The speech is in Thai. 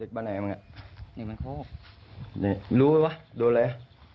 รู้หรือเปล่าดูเลย